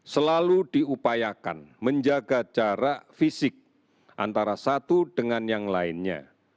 selalu diupayakan menjaga jarak fisik antara satu dengan yang lainnya